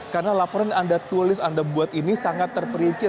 karena laporan yang anda tulis yang anda buat ini sangat terperinci